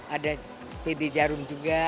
ada pb jarum juga